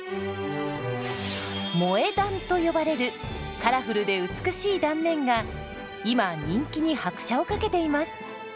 「萌え断」と呼ばれるカラフルで美しい断面が今人気に拍車をかけています。